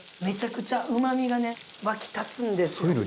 めちゃくちゃうまみがねわき立つんですよ。